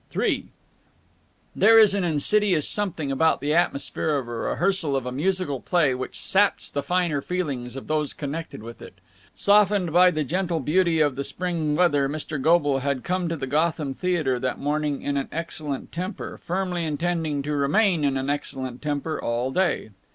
III There is an insidious something about the atmosphere of a rehearsal of a musical play which saps the finer feelings of those connected with it. Softened by the gentle beauty of the Spring weather, Mr. Goble had come to the Gotham Theatre that morning in an excellent temper, firmly intending to remain in an excellent temper all day.